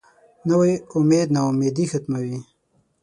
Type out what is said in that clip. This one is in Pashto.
نوی امید نا امیدي ختموي